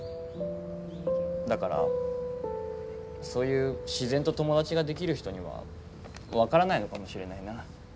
だからそういう自然と友達ができる人には分からないのかもしれないな。